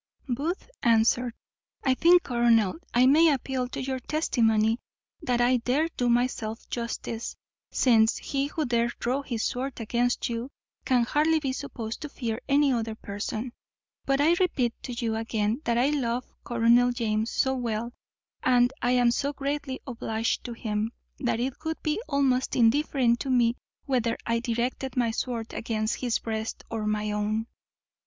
Booth answered, "I think, colonel, I may appeal to your testimony that I dare do myself justice; since he who dare draw his sword against you can hardly be supposed to fear any other person; but I repeat to you again that I love Colonel James so well, and am so greatly obliged to him, that it would be almost indifferent to me whether I directed my sword against his breast or my own."